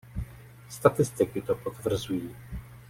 Statistiky to potvrzují.